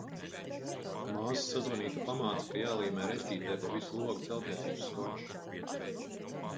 Māsa sazvanīta pamāca, ka jālīmē restītē pa visu logu celtniecības skočs.